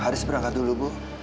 haris berangkat dulu bu